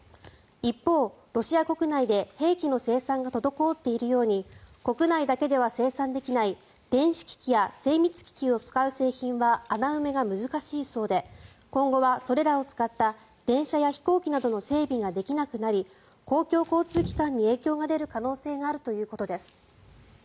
一方、ロシア国内で兵器の生産が滞っているように国内だけでは生産できない電子機器や精密機器を使う製品は穴埋めが難しいそうで今後はそれらを使った電車や飛行機などの整備ができなくなり公共交通機関に影響が出る可能性があるということです。